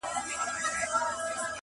له هر چا یې دی د عقل میدان وړی٫